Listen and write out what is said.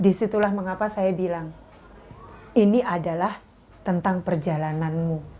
disitulah mengapa saya bilang ini adalah tentang perjalananmu